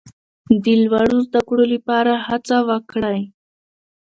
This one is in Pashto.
د لوړو زده کړو لپاره هڅه وکړئ.